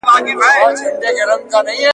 ازمايښت اول په کال و، اوس په گړي دئ.